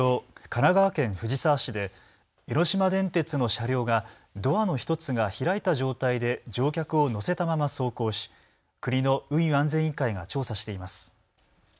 神奈川県藤沢市で江ノ島電鉄の車両がドアの１つが開いた状態で乗客を乗せたまま走行し国の運輸安全委員会が調査しています。